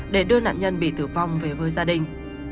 để đưa nạn nhân bị tử vong về với gia đình